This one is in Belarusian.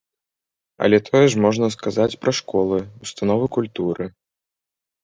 Але тое ж можна сказаць пра школы, установы культуры.